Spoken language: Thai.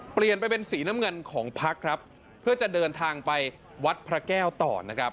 เปลี่ยนไปเป็นสีน้ำเงินของพักครับเพื่อจะเดินทางไปวัดพระแก้วต่อนะครับ